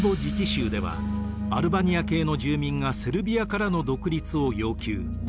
自治州ではアルバニア系の住民がセルビアからの独立を要求。